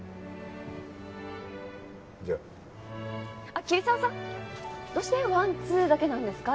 あっ桐沢さん！どうしてワンツーだけなんですか？